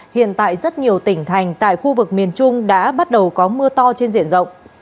hiện tại rất nhiều tỉnh thành tại khu vực miền trung đã bắt đầu có mưa to trên diện rộng